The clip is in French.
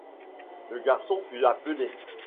Le garçon fut appelé.